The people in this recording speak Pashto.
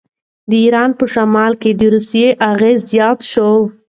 د ایران په شمال کې د روسیې اغېز زیات شو.